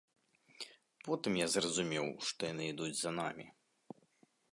Потым я зразумеў, што яны ідуць за намі.